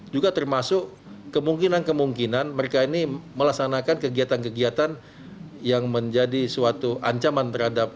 juga termasuk kemungkinan kemungkinan mereka ini melaksanakan kegiatan kegiatan yang menjadi suatu ancaman terhadap